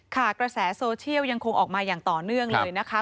กระแสโซเชียลยังคงออกมาอย่างต่อเนื่องเลยนะคะ